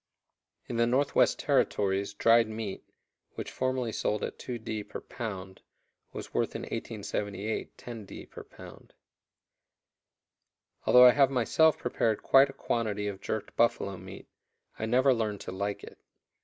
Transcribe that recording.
In the Northwest Territories dried meat, which formerly sold at 2_d._ per pound, was worth in 1878 10_d._ per pound. Although I have myself prepared quite a quantity of jerked buffalo meat, I never learned to like it.